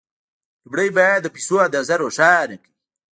لومړی باید د پيسو اندازه روښانه کړئ.